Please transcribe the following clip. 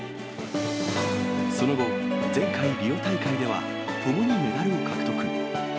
その後、前回・リオ大会ではともにメダルを獲得。